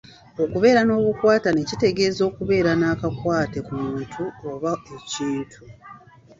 Okubeera n'obukwatane kitegeeza okubeera n'akakwate ku muntu oba ekintu.